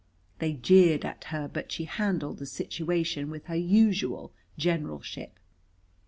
They jeered at her, but she handled the situation with her usual generalship.